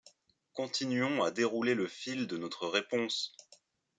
Continuons à dérouler le fil de notre réponse.